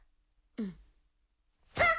うん。